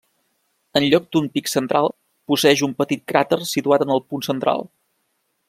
En lloc d'un pic central, posseeix un petit cràter situat en el punt central.